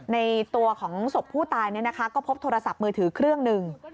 ในตัวของศพผู้ตายก็พบโทรศัพท์มือถือเครื่องหนึ่ง